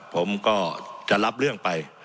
ผมก็จะรับเรื่องไป